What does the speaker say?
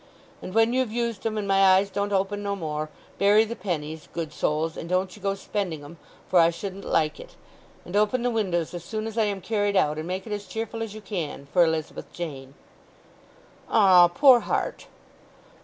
'And when you've used 'em, and my eyes don't open no more, bury the pennies, good souls and don't ye go spending 'em, for I shouldn't like it. And open the windows as soon as I am carried out, and make it as cheerful as you can for Elizabeth Jane.'" "Ah, poor heart!"